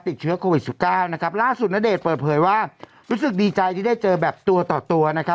ติดเชื้อโควิดสิบเก้านะครับล่าสุดณเดชน์เปิดเผยว่ารู้สึกดีใจที่ได้เจอแบบตัวต่อตัวนะครับ